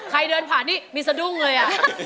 เดินผ่านนี่มีสะดุ้งเลย